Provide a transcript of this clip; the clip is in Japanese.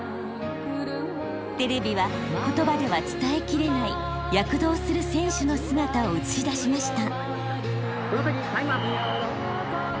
テレビは言葉では伝えきれない躍動する選手の姿を映し出しました。